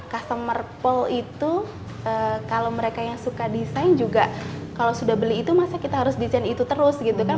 customer pole itu kalau mereka yang suka desain juga kalau sudah beli itu masa kita harus desain itu terus gitu kan